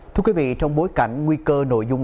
thưa quý vị trong bối cảnh nguy cơ nội dung